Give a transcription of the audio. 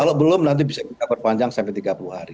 kalau belum nanti bisa kita perpanjang sampai tiga puluh hari